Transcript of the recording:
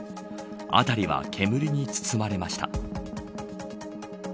辺りは煙に包まれました。